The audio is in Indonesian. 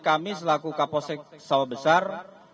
kami selaku kapolsek sawah besar